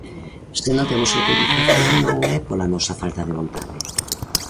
Se non temos autorización non é pola nosa falta de vontade.